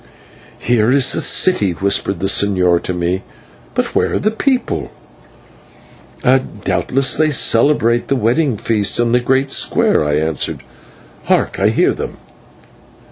"Here is the city," whispered the señor to me, "but where are the people?" "Doubtless they celebrate the wedding feast in the great square," I answered. "Hark, I hear them."